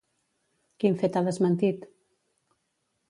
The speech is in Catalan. Quin fet ha desmentit?